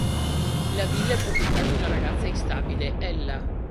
La villa è proprietà di una ragazza instabile, Ella.